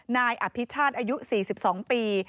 นายอภิชาติอายุ๔๒ปี